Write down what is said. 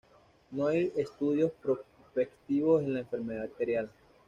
No hay estudios prospectivos en la enfermedad arterial.